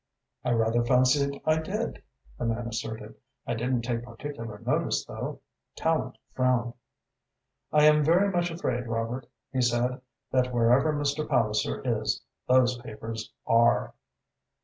"I rather fancied I did," the man asserted. "I didn't take particular notice, though." Tallente frowned. "I am very much afraid, Robert," he said, "that wherever Mr. Palliser is, those papers are."